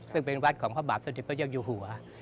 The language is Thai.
ซึ่งเป็นวัดของพระบาทสัตว์เด็กพระเยาะยูหัว